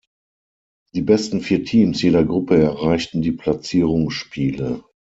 Die besten vier Teams jeder Gruppe erreichten die Platzierungsspiele.